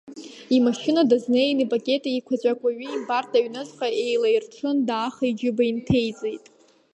Имашьына дазнеин, ипакет еиқәаҵәак, уаҩы имбартә, аҩныҵҟа еилаирҽын, дааха иџьыба инҭеиҵеит.